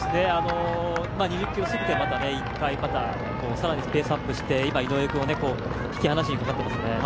２０ｋｍ過ぎて１回ペースアップをして井上君を引き離しにかかっていますよね。